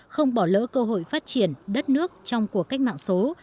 không bỏ lỡ cơ hội phát triển đất nước trong cuộc cách mạng số